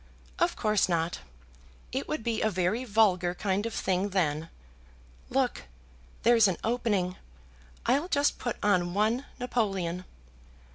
"Of course not. It would be a very vulgar kind of thing then. Look, there's an opening there. I'll just put on one napoleon."